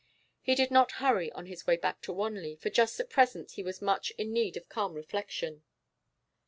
He did not hurry on his way back to Wanley, for just at present he was much in need of calm reflection.